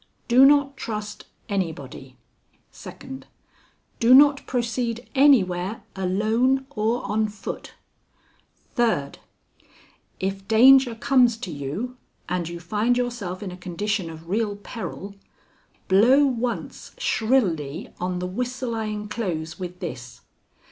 Do not trust anybody. "Second. Do not proceed anywhere alone or on foot. "Third. If danger comes to you, and you find yourself in a condition of real peril, blow once shrilly on the whistle I inclose with this.